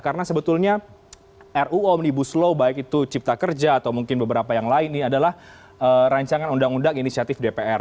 karena sebetulnya ru omnibus law baik itu cipta kerja atau mungkin beberapa yang lain ini adalah rancangan undang undang inisiatif dpr